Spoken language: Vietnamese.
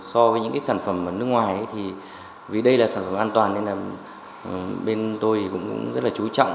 hiện tại so với những sản phẩm ở nước ngoài vì đây là sản phẩm an toàn nên là bên tôi cũng rất là chú trọng